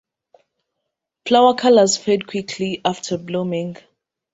Flower colours fade quickly after blooming.